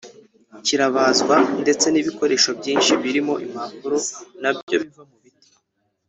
kirabazwa ndetse n’ibikoresho byinshi birimo impapuro na byo biva mu biti